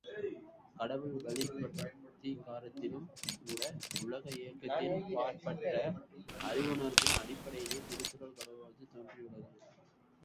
கடவுள் வழிபாட்டதிகாரத்திலும்கூட உலக இயக்கத்தின் பாற்பட்ட அறிவுணர்வின் அடிப்படையிலேயே திருக்குறள் கடவுள் வாழ்த்து தோன்றியுள்ளது.